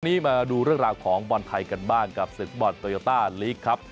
วันนี้มาดูเรื่องราวของบอลไทยกันบ้างกับศึกบอลโตโยต้าลีกครับ